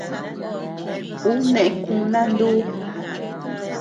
Ú neʼe kuna ndúu.